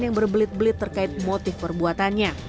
yang berbelit belit terkait motif perbuatannya